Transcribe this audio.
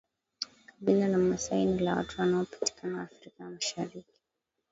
Kabila la maasai ni la watu wanaopatikana Afrika ya mashariki